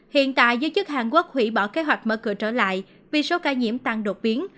hiện tại giới chức hàn quốc hủy bỏ kế hoạch mở cửa trở lại vì số ca nhiễm tăng đột biến